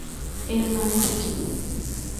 এর মানেটা কী?